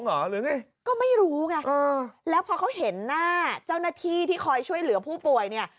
หรือไงก็ไม่รู้ไงเออแล้วพอเขาเห็นหน้าเจ้าหน้าที่ที่คอยช่วยเหลือผู้ป่วยเนี่ย